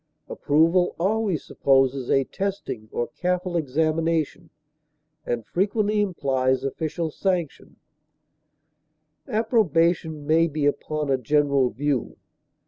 Approval always supposes a testing or careful examination, and frequently implies official sanction; approbation may be upon a general view.